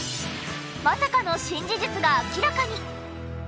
まさかの新事実が明らかに！